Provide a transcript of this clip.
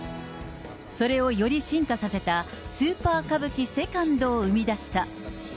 それをより進化させた、スーパー歌舞伎セカンドを生み出した。